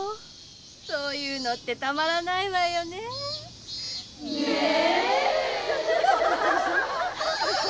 そういうのってたまらないわよね。ねぇ。